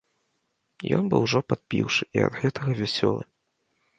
Ён быў ужо падпіўшы і ад гэтага вясёлы.